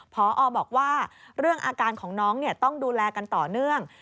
พอบอกว่าเรื่องอาการของน้องต้องดูแลกันต่อเนื่อง